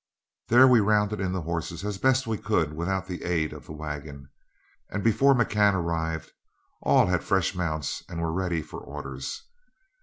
There we rounded in the horses as best we could without the aid of the wagon, and before McCann arrived, all had fresh mounts and were ready for orders.